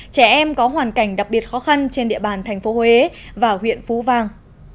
trẻ em có hoàn cảnh đặc biệt khó khăn trên địa bàn tp huế và huyện phú vàng